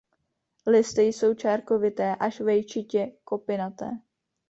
Listy jsou čárkovité až vejčitě kopinaté.